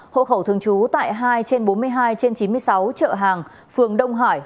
một nghìn chín trăm tám mươi năm hộ khẩu thương chú tại hai trên bốn mươi hai trên chín mươi sáu chợ hàng phường đông hải